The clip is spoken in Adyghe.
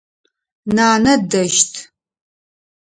Нанэ дэщт.